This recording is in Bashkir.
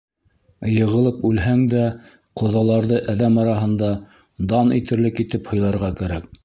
Йығылып үлһәң дә, ҡоҙаларҙы әҙәм араһында дан итерлек итеп һыйларға кәрәк.